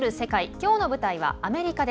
きょうの舞台はアメリカ。